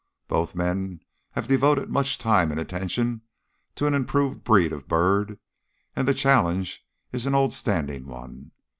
Both men have devoted much time and attention to an improved breed of bird, and the challenge is an old standing one.